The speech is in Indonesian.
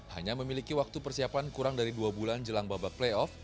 hanya memiliki waktu persiapan kurang dari dua bulan jelang babak playoff